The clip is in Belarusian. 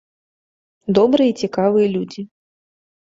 Добрыя і цікавыя людзі.